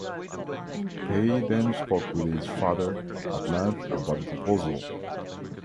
Pei then spoke with his father at length about the proposal.